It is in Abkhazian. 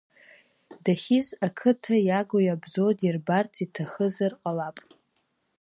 Дахьиз ақыҭа иагу-иабзоу дирбарц иҭахызар ҟалап…